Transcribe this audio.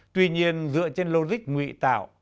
tuy nhiên dựa trên logic ngụy tạo